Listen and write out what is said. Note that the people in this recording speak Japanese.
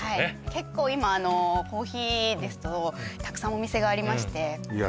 結構今コーヒーですとたくさんお店がありましていや